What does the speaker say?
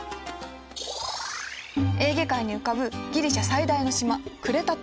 エーゲ海に浮かぶギリシャ最大の島クレタ島。